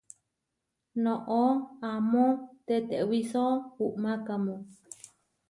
Noʼó amó tetewíso uʼmákamu.